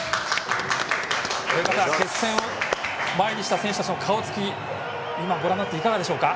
親方、決戦を前にした選手たちの顔つきご覧になっていかがでしょうか。